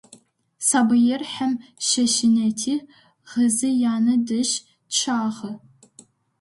Сабыир хьэм щэщынэти, гъызэ янэ дэжь чъагъэ.